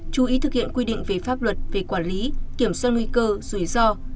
chú ý thực hiện quy định về pháp luật về quản lý kiểm soát nguy cơ rủi ro